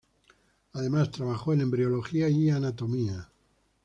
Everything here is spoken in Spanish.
Además trabajó en embriología y anatomía.